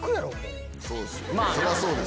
そりゃそうですよ